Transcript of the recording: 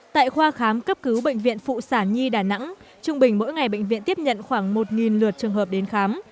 tại khoa khám cấp cứu bệnh viện phụ sản nhi đà nẵng trung bình mỗi ngày bệnh viện tiếp nhận khoảng một lượt trường hợp đến khám